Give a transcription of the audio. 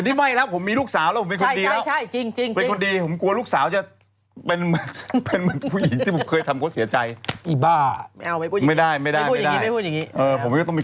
ผมว่าต้องมีคนดีล่ะตอนนี้ทำงี้